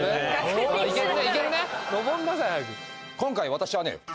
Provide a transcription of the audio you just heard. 今回私はね